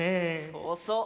そうそう。